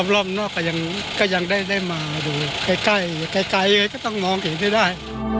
รอบนอกก็ยังได้มาดูใกล้ก็ต้องมองเห็นให้ได้